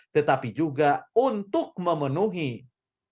tetapi juga untuk memenuhi kedaulatan kegiatan dan keuntungan